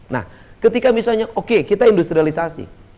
nah ketika misalnya oke kita industrialisasi